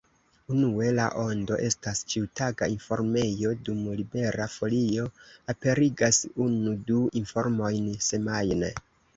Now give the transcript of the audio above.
Unue, La Ondo estas ĉiutaga informejo, dum Libera Folio aperigas unu-du informojn semajne.